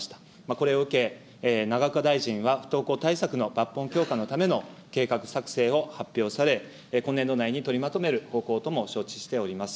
これを受け、永岡大臣は不登校対策の抜本強化のための計画作成を発表され、今年度内に取りまとめる方向とも承知しております。